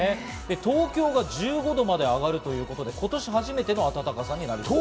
東京が１５度まで上がるということで、今年初めての暖かさとなりそうです。